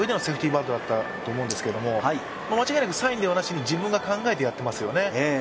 バントだったと思うんですけど、間違いなくサインではなしに自分で考えてやってますね。